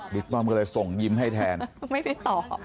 ป้อมก็เลยส่งยิ้มให้แทนไม่ได้ตอบ